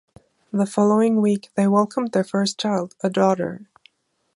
The following week, they welcomed their first child, a daughter.